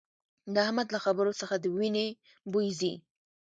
د احمد له خبرو څخه د وينې بوي ځي